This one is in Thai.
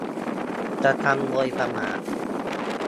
กระทำโดยประมาท